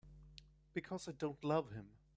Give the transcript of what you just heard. Because I don't love him.